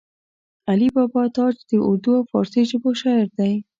علي بابا تاج د اردو او فارسي ژبو شاعر دی